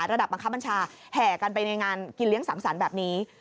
บังคับบัญชาแห่กันไปในงานกินเลี้ยงสังสรรค์แบบนี้